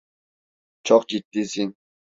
Çok ciddisin.